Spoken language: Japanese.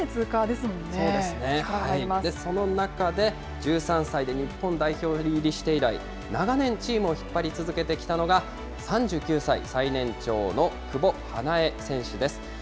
その中で、１３歳で日本代表入りして以来、長年チームを引っ張り続けてきたのが、３９歳、最年長の久保英恵選手です。